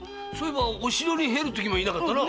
お城に入るときも居なかったな？